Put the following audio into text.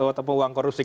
atau uang korupsi